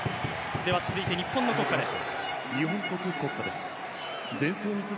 続いて日本の国歌です。